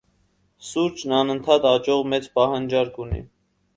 Սուրճն անընդհատ աճող մեծ պահանջարկ ունի։